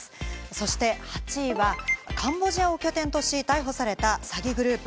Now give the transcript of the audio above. そして８位はカンボジアを拠点とし逮捕された詐欺グループ。